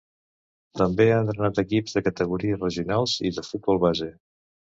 També ha entrenat equips de categories regionals i de futbol base.